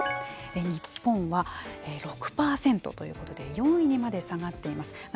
それが現在になりますと日本は６％ということで４位にまで下がっています。